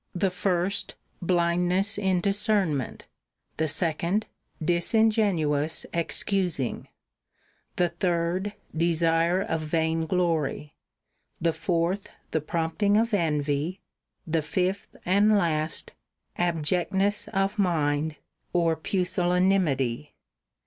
v. The first, blindness in discernment ; the second, disingenuous excusing ; the third, desire of vain glory; the fourth, the prompting of envy ; the fifth and last, [lo]] abjectnessof mind or pusillanimity.